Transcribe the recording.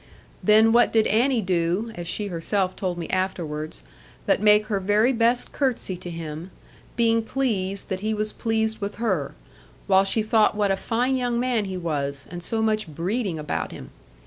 Then what did Annie do (as she herself told me afterwards) but make her very best curtsey to him, being pleased that he was pleased with her, while she thought what a fine young man he was and so much breeding about him!